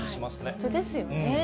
本当ですよね。